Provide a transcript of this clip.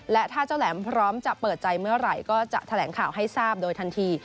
และถ้าเจ้าแหลมพร้อมจะเปิดใจเมื่อไหร่ก็จะแถลงข่าวให้ทราบโดยทันที